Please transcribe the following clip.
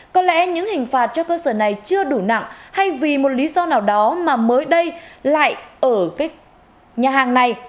có lẽ những hình phạt cho cơ sở này chưa đủ nặng hay vì một lý do nào đó mà mới đây lại ở nhà hàng này